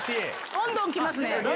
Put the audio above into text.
どんどん来ますね。